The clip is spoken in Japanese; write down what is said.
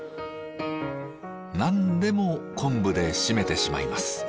何でも昆布で締めてしまいます。